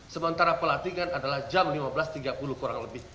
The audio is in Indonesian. sementara pelatihan adalah jam lima belas tiga puluh kurang lebih